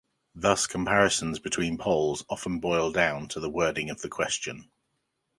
Thus comparisons between polls often boil down to the wording of the question.